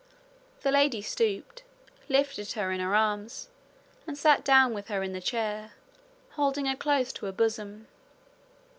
The lady stooped, lifted her in her arms, and sat down with her in her chair, holding her close to her bosom.